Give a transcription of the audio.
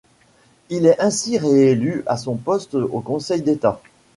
Il est ainsi réélu à son poste au Conseil d'état.